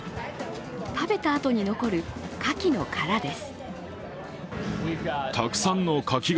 食べたあとに残るカキの殻です。